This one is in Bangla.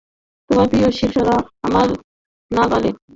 তোমার প্রিয় শিষ্যরা আমার নাগালে।